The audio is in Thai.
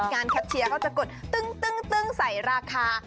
แคทเชียร์เขาจะกดตึ้งใส่ราคา